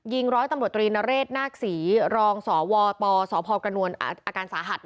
ยิงร้อยตำรวจตรีนเรศนาศรีรองสวปสพกอสาหัส